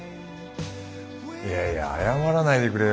いやいや謝らないでくれよ。